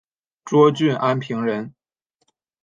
涿郡安平人。